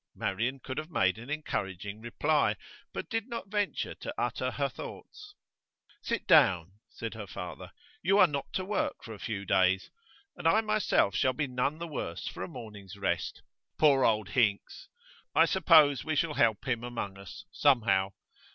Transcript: Marian could have made an encouraging reply, but did not venture to utter her thoughts. 'Sit down,' said her father. 'You are not to work for a few days, and I myself shall be none the worse for a morning's rest. Poor old Hinks! I suppose we shall help him among us, somehow.